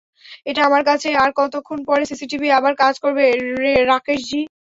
এটা আমার কাছে, আর কতক্ষণ পরে সিসিটিভি আবার কাজ করবে, রাকেশজি?